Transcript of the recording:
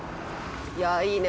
いやいいね。